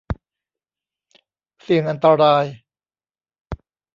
เสี่ยงอันตราย